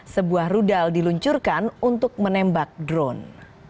sebuah rudal diluncurkan untuk menembak drone